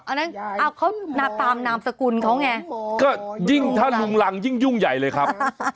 อันนั้นเอาเขาตามนามสกุลเขาไงก็ยิ่งถ้าลุงรังยิ่งยุ่งใหญ่เลยครับ